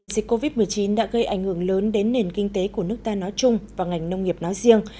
dịch covid một mươi chín đã gây ảnh hưởng lớn đến nền kinh tế của nước ta nói chung và ngành nông nghiệp nói riêng